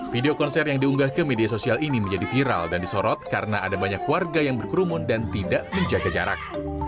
video konser yang diunggah ke media sosial ini menjadi viral dan disorot karena ada banyak warga yang berkerumun dan tidak menjaga jarak